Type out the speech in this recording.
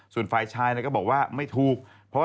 ส่วนฝ่ายชายก็บอกว่าไม่ถูก